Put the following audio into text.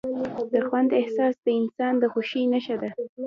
د خوند احساس د انسان د خوښۍ نښه ده.